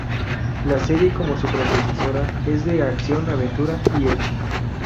La serie, como su predecesora, es de acción, aventuras y ecchi.